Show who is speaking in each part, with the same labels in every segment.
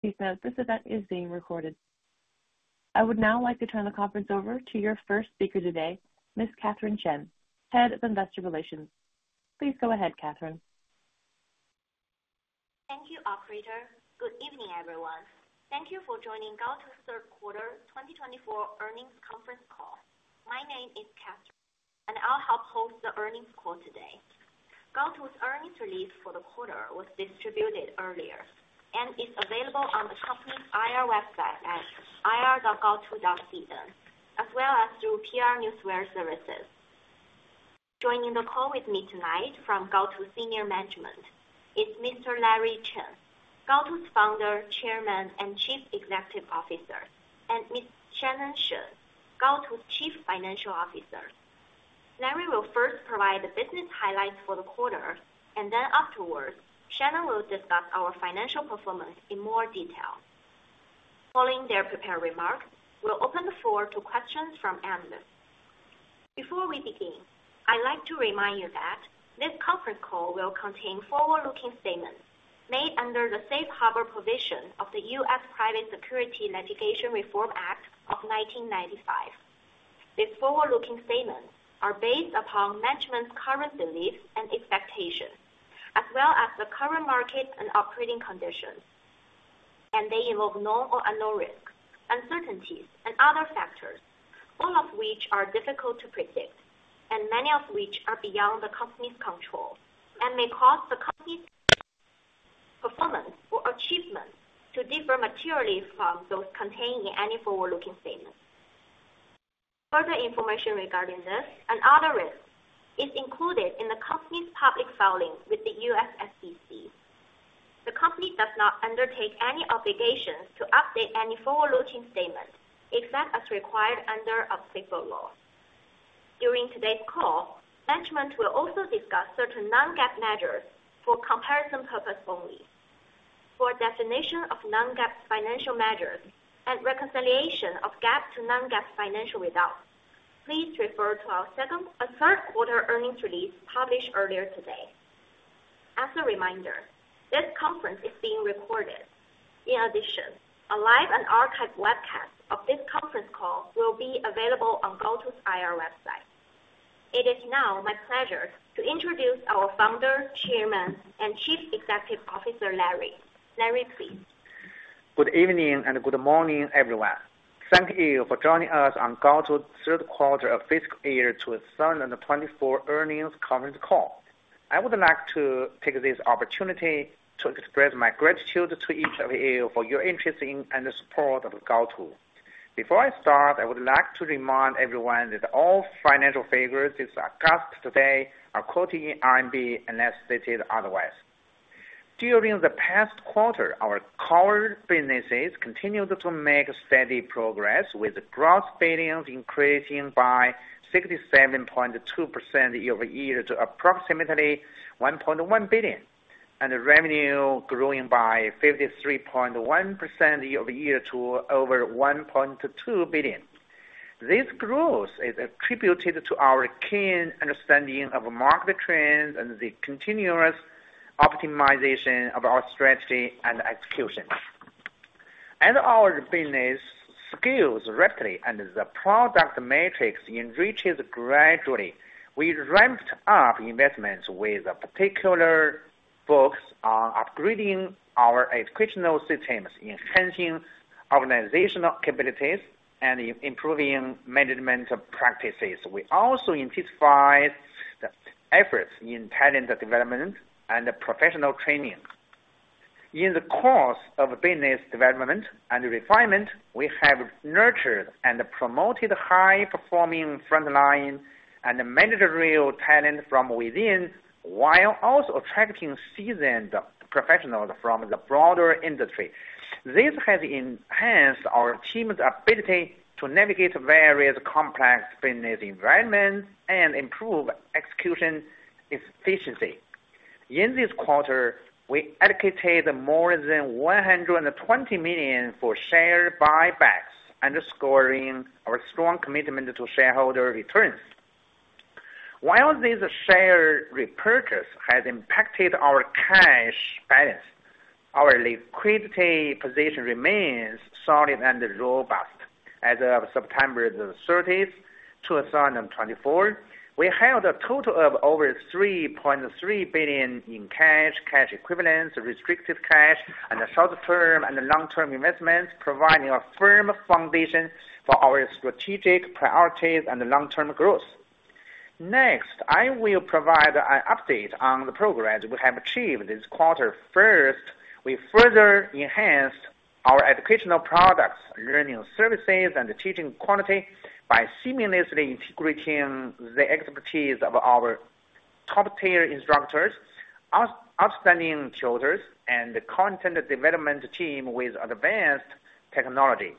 Speaker 1: Please note, this event is being recorded. I would now like to turn the conference over to your first speaker today, Ms. Catherine Chen, Head of Investor Relations. Please go ahead, Catherine.
Speaker 2: Thank you, operator. Good evening, everyone. Thank you for joining Gaotu's Third Quarter 2024 Earnings Conference Call. My name is Catherine, and I'll help host the earnings call today. Gaotu's earnings release for the quarter was distributed earlier and is available on the company's IR website at ir.gaotu.cn, as well as through PR Newswire services. Joining the call with me tonight from Gaotu's senior management is Mr. Larry Chen, Gaotu's founder, chairman, and Chief Executive Officer, and Ms. Shannon Shen, Gaotu's Chief Financial Officer. Larry will first provide the business highlights for the quarter, and then afterwards, Shannon will discuss our financial performance in more detail. Following their prepared remarks, we'll open the floor to questions from analysts. Before we begin, I'd like to remind you that this conference call will contain forward-looking statements made under the Safe Harbor provision of the U.S. Private Securities Litigation Reform Act of 1995. These forward-looking statements are based upon management's current beliefs and expectations, as well as the current market and operating conditions, and they involve known or unknown risks, uncertainties, and other factors, all of which are difficult to predict, and many of which are beyond the company's control and may cause the company's performance or achievement to differ materially from those contained in any forward-looking statements. Further information regarding this and other risks is included in the company's public filing with the U.S. SEC. The company does not undertake any obligations to update any forward-looking statement except as required under applicable law. During today's call, management will also discuss certain non-GAAP measures for comparison purposes only. For a definition of non-GAAP financial measures and reconciliation of GAAP to non-GAAP financial results, please refer to our Third Quarter earnings release published earlier today. As a reminder, this conference is being recorded. In addition, a live and archived webcast of this conference call will be available on Gaotu's IR website. It is now my pleasure to introduce our Founder, Chairman, and Chief Executive Officer, Larry. Larry, please.
Speaker 3: Good evening and good morning, everyone. Thank you for joining us on Gaotu's Third Quarter of Fiscal Year 2024 earnings conference call. I would like to take this opportunity to express my gratitude to each of you for your interest in and support of Gaotu. Before I start, I would like to remind everyone that all financial figures as of today are quoted in RMB unless stated otherwise. During the past quarter, our core businesses continued to make steady progress with gross billings increasing by 67.2% year-over-year to approximately 1.1 billion, and revenue growing by 53.1% year-over-year to over 1.2 billion. This growth is attributed to our keen understanding of market trends and the continuous optimization of our strategy and execution. As our business scales rapidly and the product matrix enriches gradually, we ramped up investments with a particular focus on upgrading our educational systems, enhancing organizational capabilities, and improving management practices. We also intensified the efforts in talent development and professional training. In the course of business development and refinement, we have nurtured and promoted high-performing frontline and managerial talent from within while also attracting seasoned professionals from the broader industry. This has enhanced our team's ability to navigate various complex business environments and improve execution efficiency. In this quarter, we allocated more than 120 million for share buybacks, underscoring our strong commitment to shareholder returns. While this share repurchase has impacted our cash balance, our liquidity position remains solid and robust. As of September 30, 2024, we held a total of over 3.3 billion in cash, cash equivalents, restricted cash, and short-term and long-term investments, providing a firm foundation for our strategic priorities and long-term growth. Next, I will provide an update on the progress we have achieved this quarter. First, we further enhanced our educational products, learning services, and teaching quality by seamlessly integrating the expertise of our top-tier instructors, outstanding tutors, and the content development team with advanced technology.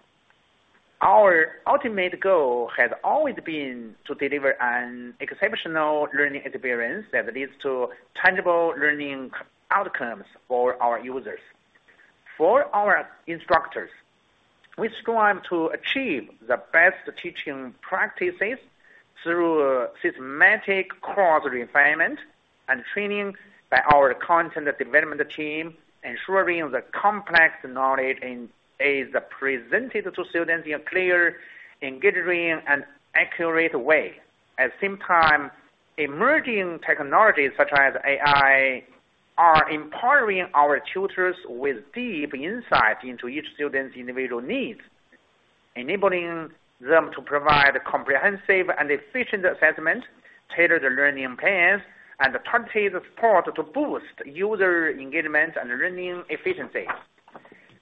Speaker 3: Our ultimate goal has always been to deliver an exceptional learning experience that leads to tangible learning outcomes for our users. For our instructors, we strive to achieve the best teaching practices through systematic course refinement and training by our content development team, ensuring the complex knowledge and aids presented to students in a clear, engaging, and accurate way. At the same time, emerging technologies such as AI are empowering our tutors with deep insight into each student's individual needs, enabling them to provide comprehensive and efficient assessments, tailored learning plans, and targeted support to boost user engagement and learning efficiency.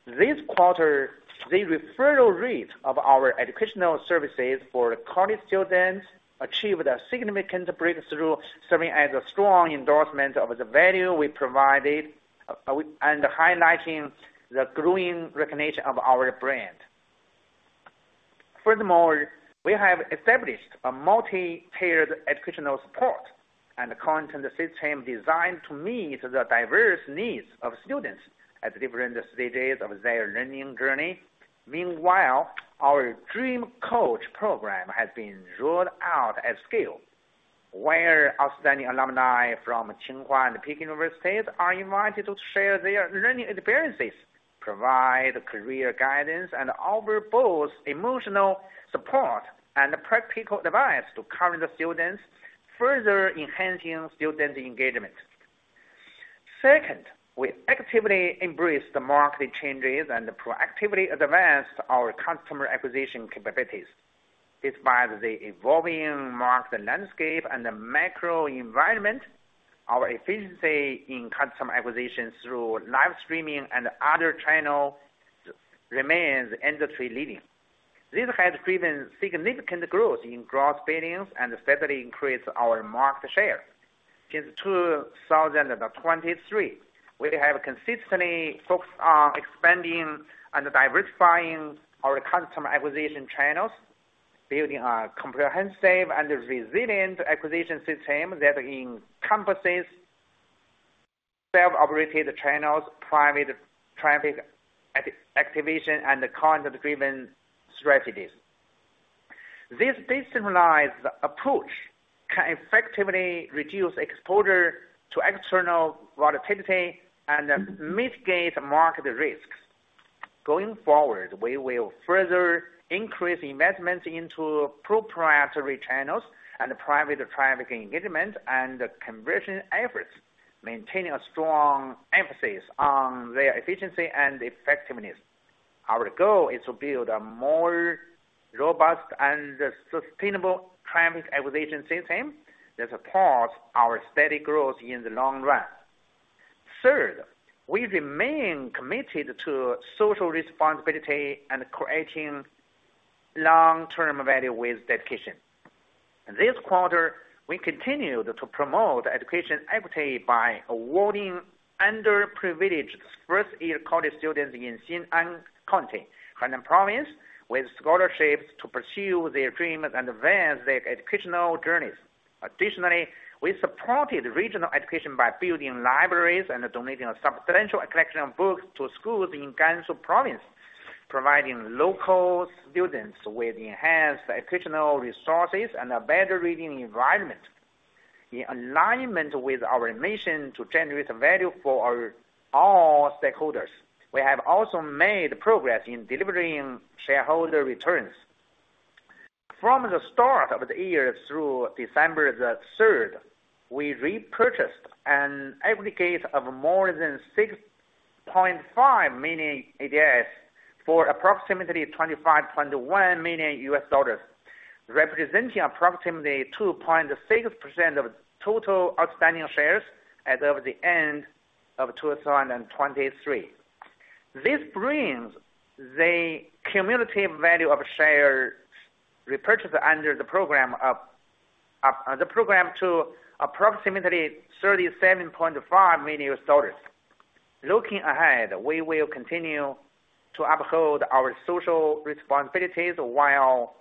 Speaker 3: This quarter, the referral rate of our educational services for college students achieved a significant breakthrough, serving as a strong endorsement of the value we provided and highlighting the growing recognition of our brand. Furthermore, we have established a multi-tiered educational support and content system designed to meet the diverse needs of students at different stages of their learning journey. Meanwhile, our Dream Coach program has been rolled out at scale, where outstanding alumni from Tsinghua University and Peking University are invited to share their learning experiences, provide career guidance, and offer both emotional support and practical advice to current students, further enhancing student engagement. Second, we actively embrace the market changes and proactively advance our customer acquisition capabilities. Despite the evolving market landscape and macro environment, our efficiency in customer acquisition through live streaming and other channels remains industry-leading. This has driven significant growth in gross billings and steadily increased our market share. Since 2023, we have consistently focused on expanding and diversifying our customer acquisition channels, building a comprehensive and resilient acquisition system that encompasses self-operated channels, private traffic activation, and content-driven strategies. This decentralized approach can effectively reduce exposure to external volatility and mitigate market risks. Going forward, we will further increase investments into proprietary channels and private traffic engagement and conversion efforts, maintaining a strong emphasis on their efficiency and effectiveness. Our goal is to build a more robust and sustainable traffic acquisition system that supports our steady growth in the long run. Third, we remain committed to social responsibility and creating long-term value with dedication. This quarter, we continued to promote education equity by awarding underprivileged first-year college students in Xin'an County, Henan Province, with scholarships to pursue their dreams and advance their educational journeys. Additionally, we supported regional education by building libraries and donating a substantial collection of books to schools in Gansu Province, providing local students with enhanced educational resources and a better reading environment in alignment with our mission to generate value for all stakeholders. We have also made progress in delivering shareholder returns. From the start of the year through December 3, we repurchased an aggregate of more than 6.5 million ADS for approximately $25.1 million, representing approximately 2.6% of total outstanding shares as of the end of 2023. This brings the cumulative value of shares repurchased under the program to approximately $37.5 million. Looking ahead, we will continue to uphold our social responsibilities while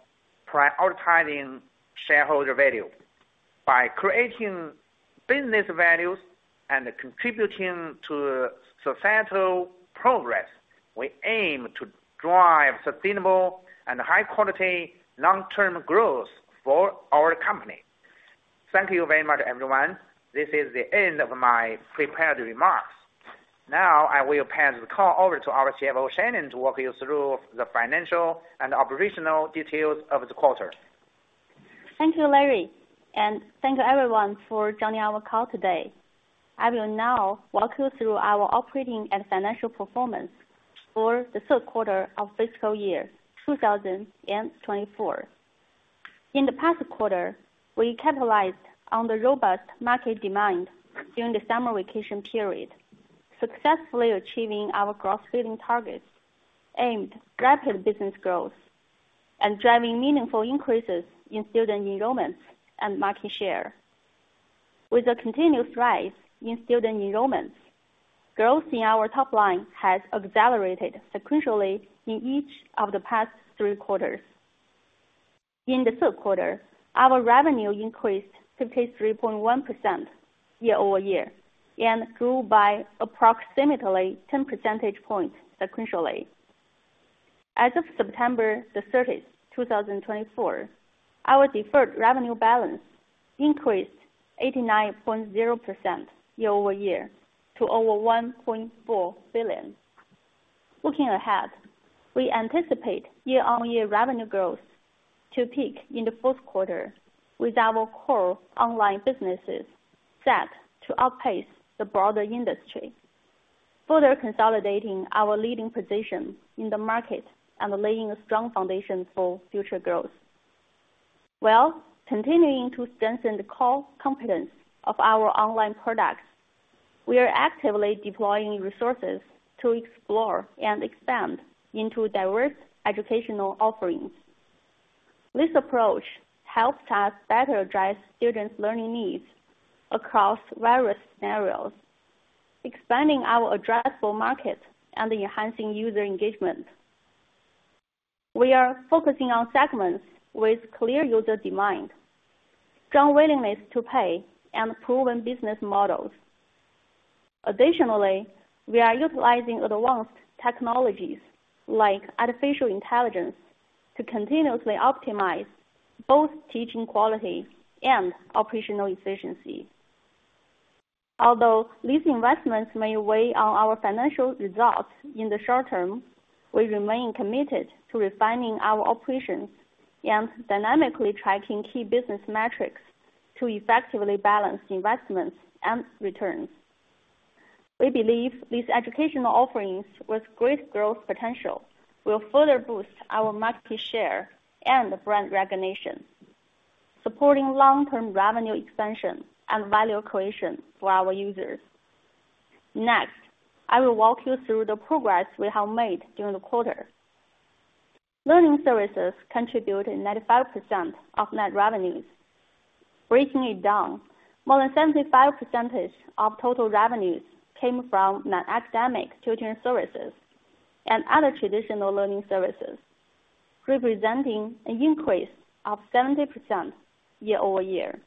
Speaker 3: prioritizing shareholder value. By creating business values and contributing to societal progress, we aim to drive sustainable and high-quality long-term growth for our company. Thank you very much, everyone. This is the end of my prepared remarks. Now, I will pass the call over to our CFO, Shannon, to walk you through the financial and operational details of the quarter.
Speaker 4: Thank you, Larry, and thank you, everyone, for joining our call today. I will now walk you through our operating and financial performance for the third quarter of fiscal year 2024. In the past quarter, we capitalized on the robust market demand during the summer vacation period, successfully achieving our gross billings targets, aimed rapid business growth, and driving meaningful increases in student enrollment and market share. With the continuous rise in student enrollment, growth in our top line has accelerated sequentially in each of the past three quarters. In the third quarter, our revenue increased 53.1% year-over-year and grew by approximately 10 percentage points sequentially. As of September 30, 2024, our deferred revenue balance increased 89.0% year-over-year to over 1.4 billion. Looking ahead, we anticipate year-on-year revenue growth to peak in the fourth quarter with our core online businesses set to outpace the broader industry, further consolidating our leading position in the market and laying a strong foundation for future growth. While continuing to strengthen the core competence of our online products, we are actively deploying resources to explore and expand into diverse educational offerings. This approach helps us better address students' learning needs across various scenarios, expanding our addressable market and enhancing user engagement. We are focusing on segments with clear user demand, strong willingness to pay, and proven business models. Additionally, we are utilizing advanced technologies like artificial intelligence to continuously optimize both teaching quality and operational efficiency. Although these investments may weigh on our financial results in the short term, we remain committed to refining our operations and dynamically tracking key business metrics to effectively balance investments and returns. We believe these educational offerings with great growth potential will further boost our market share and brand recognition, supporting long-term revenue expansion and value creation for our users. Next, I will walk you through the progress we have made during the quarter. Learning services contribute 95% of net revenues. Breaking it down, more than 75% of total revenues came from non-academic tutoring services and other traditional learning services, representing an increase of 70% year-over-year.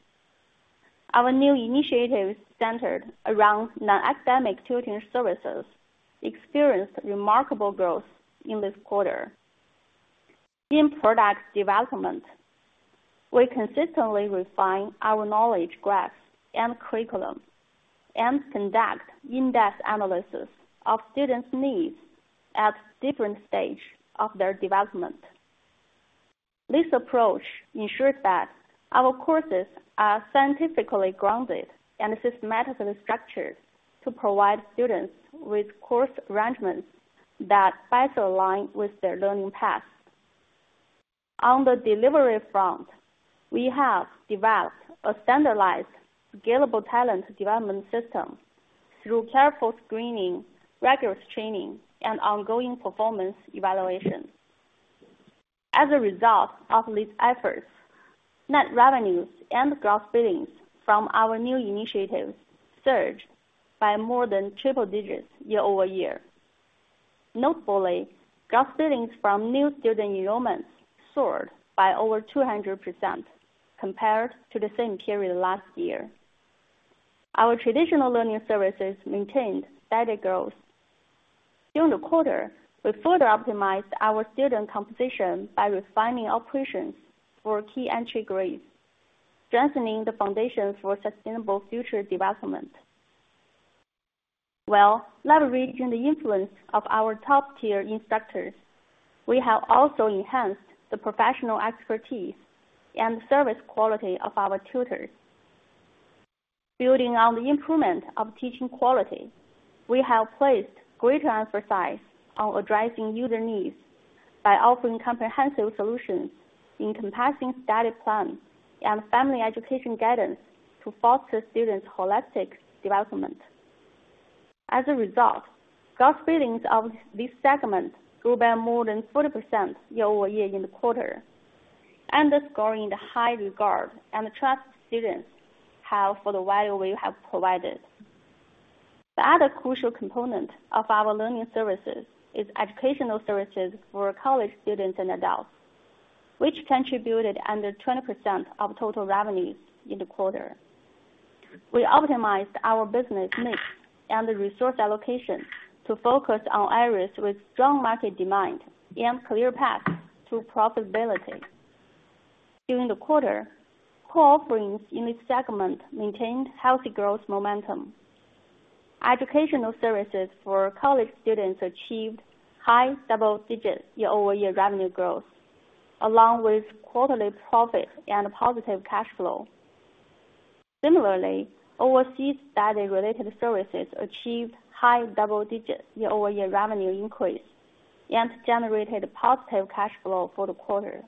Speaker 4: Our new initiatives centered around non-academic tutoring services experienced remarkable growth in this quarter. In product development, we consistently refine our knowledge graphs and curriculum and conduct in-depth analysis of students' needs at different stages of their development. This approach ensures that our courses are scientifically grounded and systematically structured to provide students with course arrangements that better align with their learning path. On the delivery front, we have developed a standardized scalable talent development system through careful screening, rigorous training, and ongoing performance evaluation. As a result of these efforts, net revenues and gross billings from our new initiatives surged by more than triple digits year-over-year. Notably, gross billings from new student enrollments soared by over 200% compared to the same period last year. Our traditional learning services maintained steady growth. During the quarter, we further optimized our student composition by refining operations for key entry grades, strengthening the foundation for sustainable future development. While leveraging the influence of our top-tier instructors, we have also enhanced the professional expertise and service quality of our tutors. Building on the improvement of teaching quality, we have placed greater emphasis on addressing user needs by offering comprehensive solutions encompassing study plans and family education guidance to foster students' holistic development. As a result, gross billings of this segment grew by more than 40% year-over-year in the quarter, underscoring the high regard and trust students have for the value we have provided. The other crucial component of our learning services is educational services for college students and adults, which contributed under 20% of total revenues in the quarter. We optimized our business mix and resource allocation to focus on areas with strong market demand and clear paths to profitability. During the quarter, core offerings in this segment maintained healthy growth momentum. Educational services for college students achieved high double-digit year-over-year revenue growth, along with quarterly profit and positive cash flow. Similarly, overseas study-related services achieved high double-digit year-over-year revenue increase and generated positive cash flow for the quarter,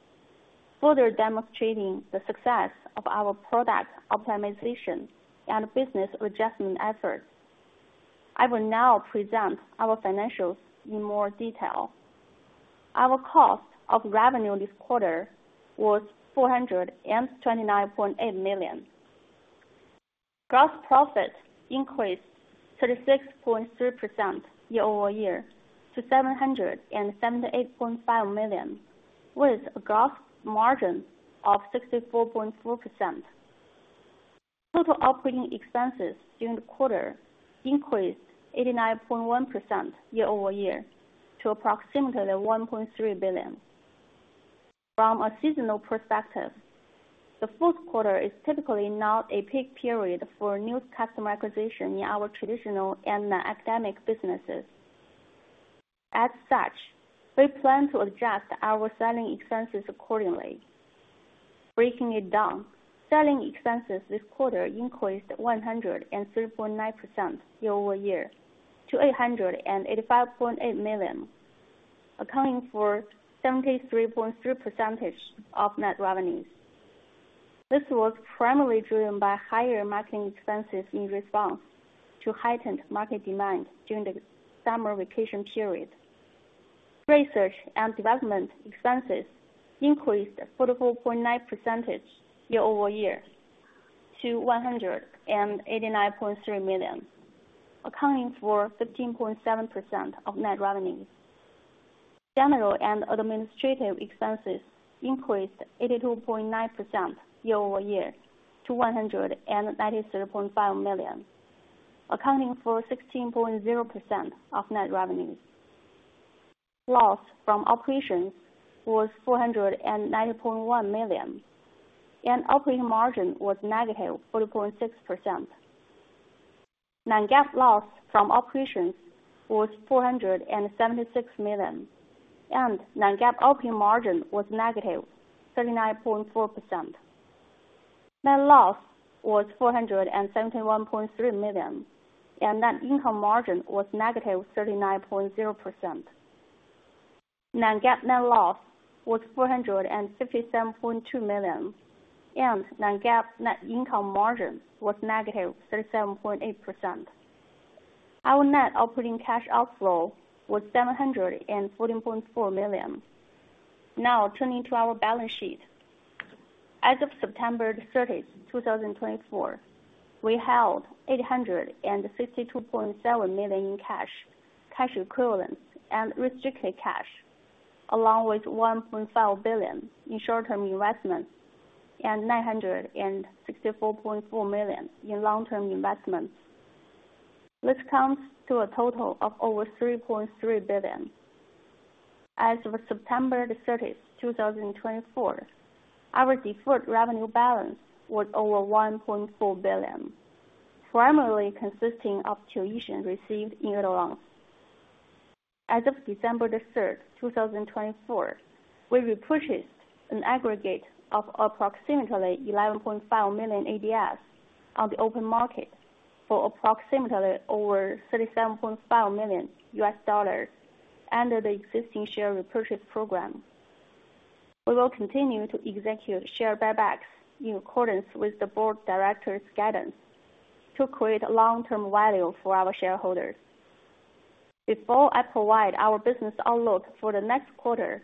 Speaker 4: further demonstrating the success of our product optimization and business adjustment efforts. I will now present our financials in more detail. Our cost of revenue this quarter was 429.8 million. Gross profit increased 36.3% year-over-year to 778.5 million, with a gross margin of 64.4%. Total operating expenses during the quarter increased 89.1% year-over-year to approximately 1.3 billion. From a seasonal perspective, the fourth quarter is typically not a peak period for new customer acquisition in our traditional and non-academic businesses. As such, we plan to adjust our selling expenses accordingly. Breaking it down, selling expenses this quarter increased 103.9% year-over-year to 885.8 million, accounting for 73.3% of net revenues. This was primarily driven by higher marketing expenses in response to heightened market demand during the summer vacation period. Research and development expenses increased 44.9% year-over-year to 189.3 million, accounting for 15.7% of net revenues. General and administrative expenses increased 82.9% year-over-year to 193.5 million, accounting for 16.0% of net revenues. Loss from operations was 490.1 million, and operating margin was negative 40.6%. Non-GAAP loss from operations was 476 million, and Non-GAAP operating margin was negative 39.4%. Net loss was 471.3 million, and net income margin was negative 39.0%. Non-GAAP net loss was RMB 457.2 million, and Non-GAAP net income margin was negative 37.8%. Our net operating cash outflow was 714.4 million. Now, turning to our balance sheet. As of September 30, 2024, we held 862.7 million in cash, cash equivalents, and restricted cash, along with 1.5 billion in short-term investments and 964.4 million in long-term investments. This comes to a total of over 3.3 billion. As of September 30, 2024, our deferred revenue balance was over 1.4 billion, primarily consisting of tuition received in advance. As of December 3, 2024, we repurchased an aggregate of approximately 11.5 million ADS on the open market for approximately over $37.5 million under the existing share repurchase program. We will continue to execute share buybacks in accordance with the Board of Directors' guidance to create long-term value for our shareholders. Before I provide our business outlook for the next quarter,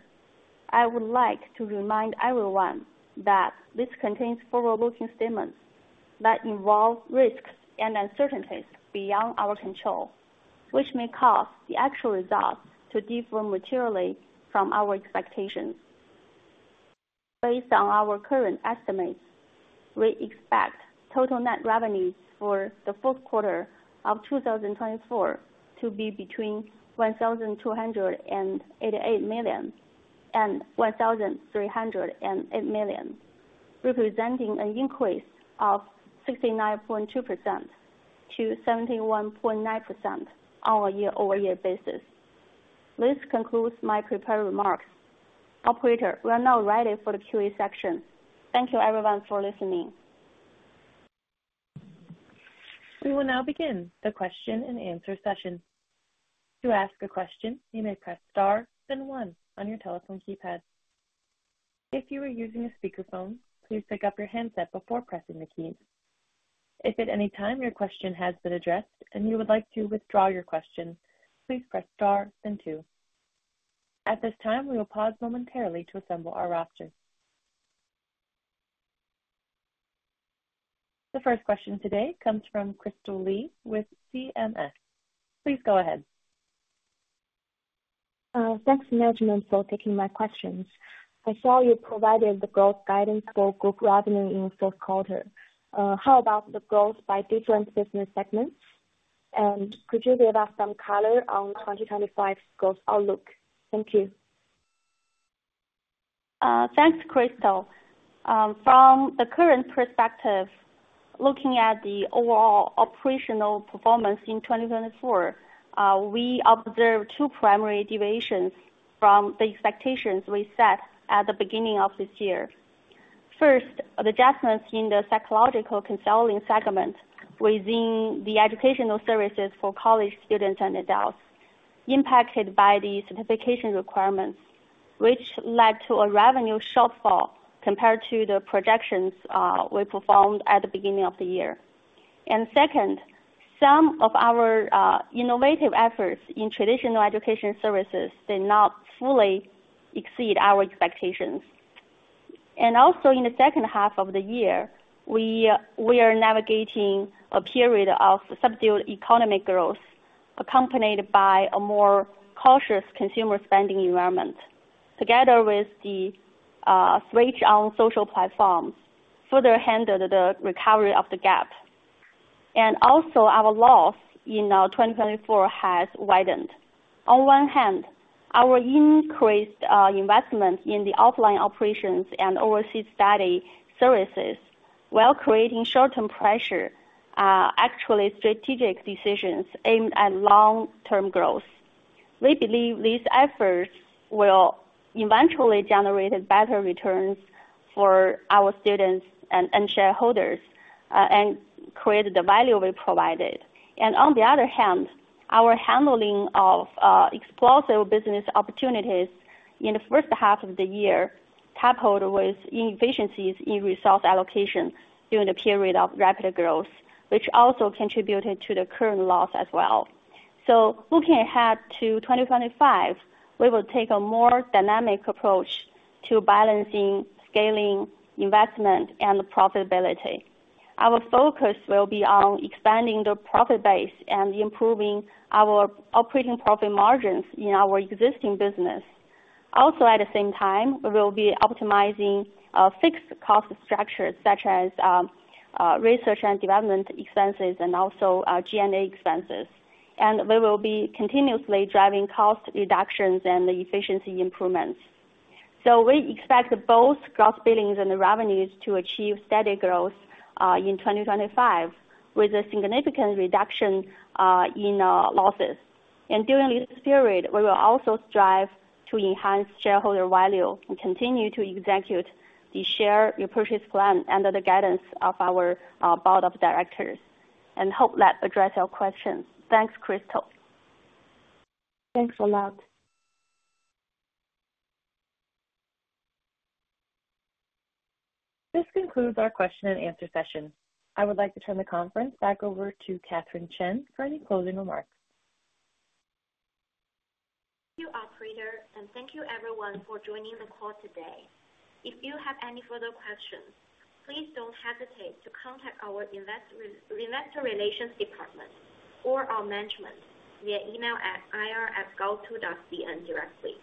Speaker 4: I would like to remind everyone that this contains forward-looking statements that involve risks and uncertainties beyond our control, which may cause the actual results to differ materially from our expectations. Based on our current estimates, we expect total net revenue for the fourth quarter of 2024 to be between 1,288 million and 1,308 million, representing an increase of 69.2% to 71.9% on a year-over-year basis. This concludes my prepared remarks. Operator, we are now ready for the Q&A section. Thank you, everyone, for listening.
Speaker 1: We will now begin the Q&A session. To ask a question, you may press star then one on your telephone keypad. If you are using a speakerphone, please pick up your handset before pressing the keys. If at any time your question has been addressed and you would like to withdraw your question, please press star then two. At this time, we will pause momentarily to assemble our roster. The first question today comes from Crystal Li with CMS. Please go ahead.
Speaker 5: Thanks, Shannon, for taking my questions. I saw you provided the growth guidance for group revenue in the fourth quarter. How about the growth by different business segments? And could you give us some color on 2025's growth outlook? Thank you.
Speaker 4: Thanks, Crystal. From the current perspective, looking at the overall operational performance in 2024, we observed two primary deviations from the expectations we set at the beginning of this year. First, the adjustments in the psychological counseling segment within the educational services for college students and adults impacted by the certification requirements, which led to a revenue shortfall compared to the projections we performed at the beginning of the year. And second, some of our innovative efforts in traditional education services did not fully exceed our expectations. And also, in the second half of the year, we are navigating a period of subdued economic growth accompanied by a more cautious consumer spending environment, together with the switch on social platforms further hindered the recovery of the gap. And also, our loss in 2024 has widened. On one hand, our increased investment in the offline operations and overseas study services, while creating short-term pressure, actually strategic decisions aimed at long-term growth. We believe these efforts will eventually generate better returns for our students and shareholders and create the value we provided, and on the other hand, our handling of explosive business opportunities in the first half of the year coupled with inefficiencies in resource allocation during the period of rapid growth, which also contributed to the current loss as well, so looking ahead to 2025, we will take a more dynamic approach to balancing scaling, investment, and profitability. Our focus will be on expanding the profit base and improving our operating profit margins in our existing business. Also, at the same time, we will be optimizing fixed cost structures such as research and development expenses and also G&A expenses. We will be continuously driving cost reductions and efficiency improvements. We expect both gross billings and revenues to achieve steady growth in 2025 with a significant reduction in losses. During this period, we will also strive to enhance shareholder value and continue to execute the share repurchase plan under the guidance of our board of directors, and hope that addressed our questions. Thanks, Crystal.
Speaker 5: Thanks a lot.
Speaker 1: This concludes our question-and-answer session. I would like to turn the conference back over to Catherine Chen for any closing remarks.
Speaker 2: Thank you, Operator, and thank you, everyone, for joining the call today. If you have any further questions, please don't hesitate to contact our Investor Relations Department or our management via email at ir@gaotu.cn directly.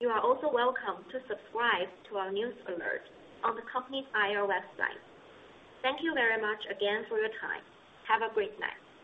Speaker 2: You are also welcome to subscribe to our news alert on the company's IR website. Thank you very much again for your time. Have a great night.